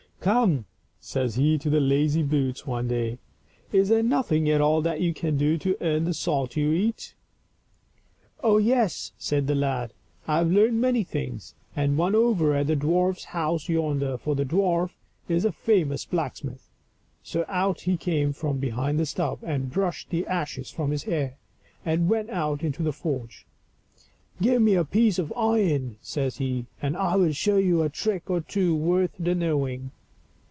" Come !" says he to lazy boots one day, " is there nothing at all that you can do to earn the salt you eat ?"" Oh, yes," said the lad, " I have learned many things, and one over at the dwarf's house yonder, for the dwarf is a famous blacksmith." So out he came from behind the stove, and brushed the ashes from his hair, and went out into the forge. " Give me a piece of iron," says he, " and I will show you a trick or two worth the knowing."